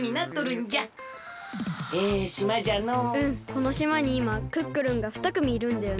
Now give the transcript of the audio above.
このしまにいまクックルンがふたくみいるんだよね。